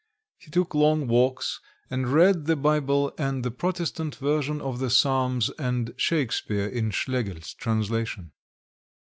He took long walks, and read the Bible and the Protestant version of the Psalms, and Shakespeare in Schlegel's translation.